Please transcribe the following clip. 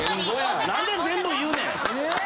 何で全部言うねん！